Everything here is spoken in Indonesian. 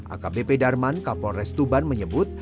akbp darman kapolres tuban menyebut